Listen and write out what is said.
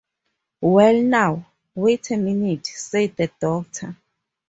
“Well now — wait a minute,” said the Doctor.